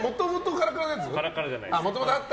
カラカラじゃないです。